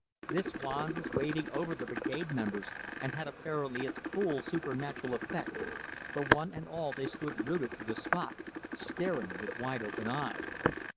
This wand was waving over the Brigade members, and had apparently its full supernatural effect, for one and all they stood rooted to the spot, staring with wide open eyes.